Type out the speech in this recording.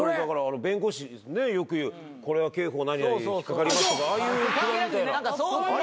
弁護士よく言うこれは刑法何々引っ掛かりますとかああいうくだりみたいな。